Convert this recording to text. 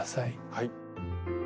はい。